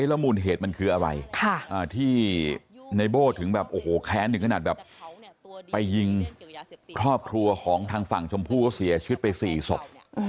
แล้วมูลเหตุมันคืออะไรที่ในโบ้ถึงแบบโอ้โหแค้นถึงขนาดแบบไปยิงครอบครัวของทางฝั่งชมพู่เขาเสียชีวิตไป๔ศพ